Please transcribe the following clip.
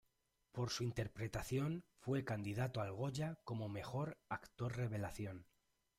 Por su interpretación fue candidato al Goya como mejor actor revelación.